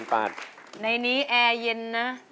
พี่ปาดในนี้แอร์เย็นนะ